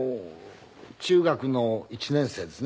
中学の１年生ですね。